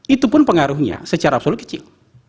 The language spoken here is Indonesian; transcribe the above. itu pun pengaruhnya secara full kecil